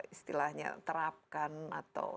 istilahnya terapkan atau